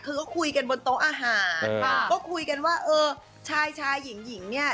เค้าคุยกันบนโต๊ะหาลก็คุยกันว่าเออชายหญิงเนี่ย